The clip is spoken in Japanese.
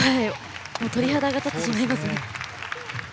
鳥肌が立ってしまいますね。